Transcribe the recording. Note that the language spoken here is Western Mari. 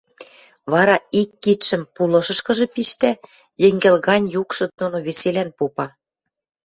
вара ик кидшӹм пулышышкыжы пиштӓ, йӹнгӹл гань юкшы доно веселӓн попа: